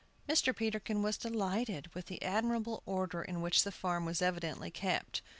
Mr. Peterkin was delighted with the admirable order in which the farm was evidently kept.